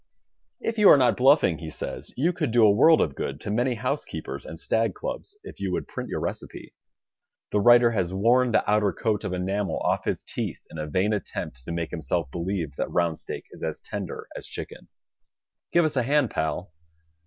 "If you are not bluffing," he says, "you could do a world of good to many housekeepers and stag clubs if you would print your recipe. The writer has worn the outer coat of enamel off his teeth in a vain attempt to make himself believe that round steak is as tender as chicken. Give us a hand, pal."